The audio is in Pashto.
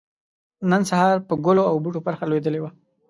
نن سحار پر ګلو او بوټو پرخه لوېدلې وه